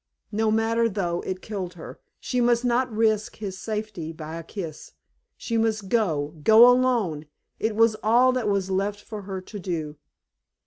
No matter though it killed her, she must not risk his safety by a kiss. She must go go alone; it was all that was left for her to do.